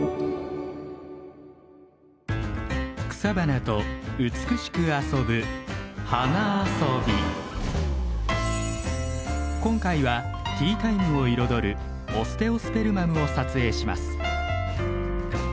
草花と美しく遊ぶ今回はティータイムを彩るオステオスペルマムを撮影します。